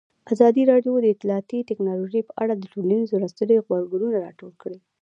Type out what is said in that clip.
ازادي راډیو د اطلاعاتی تکنالوژي په اړه د ټولنیزو رسنیو غبرګونونه راټول کړي.